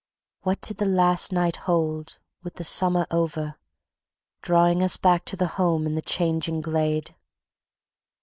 What did the last night hold, with the summer over, Drawing us back to the home in the changing glade?